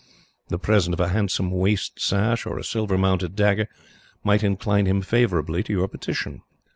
The present of a handsome waist sash, or a silver mounted dagger, might incline him favourably to your petition."